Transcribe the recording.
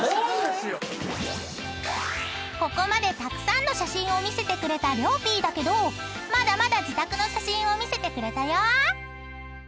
［ここまでたくさんの写真を見せてくれたりょうぴぃだけどまだまだ自宅の写真を見せてくれたよ］